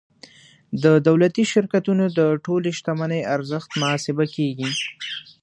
د دولتي شرکتونو د ټولې شتمنۍ ارزښت محاسبه کیږي.